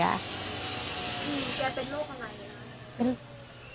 แม่แม่เป็นโรคอะไร